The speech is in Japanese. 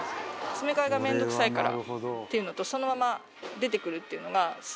詰め替えが面倒くさいからっていうのとそのまま出てくるっていうのがすごい魅力的だったので。